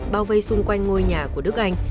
bao vây xung quanh ngôi nhà của đức anh